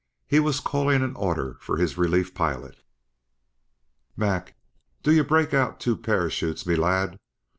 He was calling an order to his relief pilot. "Mac do ye break out two parachutes, me lad!